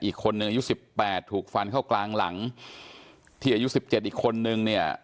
อีกคนนึงอายุสิบแปดถูกฟันเข้ากลางหลังที่อายุสิบเจ็ดอีกคนนึงเนี่ย